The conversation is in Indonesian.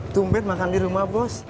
tumpet makan di rumah bos